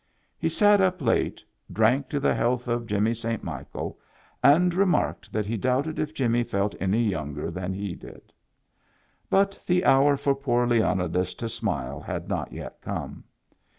He sat up late, drank to the health of Jimmy St. Michael, and remarked that he doubted if Jimmy felt any younger than he did. But the hour for poor Leonidas to smile had not yet come.